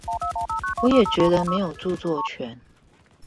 我也覺得沒有著作權